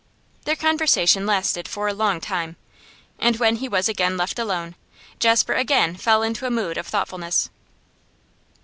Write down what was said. Their conversation lasted for a long time, and when he was again left alone Jasper again fell into a mood of thoughtfulness.